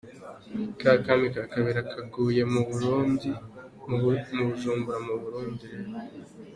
Ka kami kanyu k’akabeba kaguye buzumbura mu Burundi rero”.